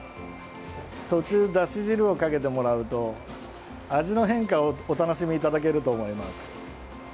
途中、だし汁をかけてもらうと味の変化をお楽しみいただけると思います。